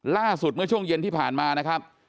ล่าสุดเมื่อช่วงเย็นที่ผ่านมานะครับ